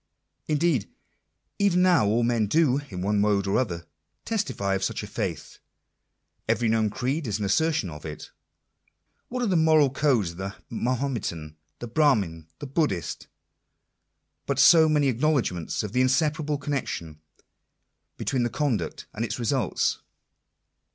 Indeed even now all men do, in one mode or other, testify of such a faith. Every known creed is an assertion of it. What are the moral codes of the Mahometan, the Brahmin, the Buddhist, but so many acknowledgments of the inseparable connection between conduct and its results